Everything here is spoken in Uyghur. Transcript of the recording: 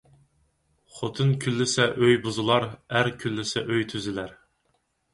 خوتۇن كۈنلىسە ئۆي بۇزۇلار، ئەر كۈنلىسە ئۆي تۈزۈلەر